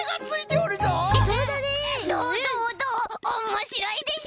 おもしろいでしょ！？